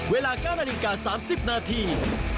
เวลา๙นาฬิกา๓๐นาที